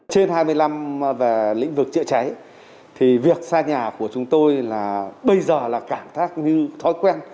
trên hai mươi năm lĩnh vực chữa cháy việc xa nhà của chúng tôi bây giờ là cảm giác như thói quen